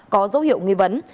có dấu hiệu nghi vấn